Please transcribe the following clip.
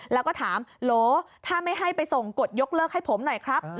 แล้วก็ถามโหลถ้าไม่ให้ไปส่งกดยกเลิกให้ผมหน่อยครับ